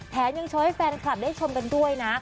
แถมยังช่วยแฟนคลับได้ชมกันด้วยนะ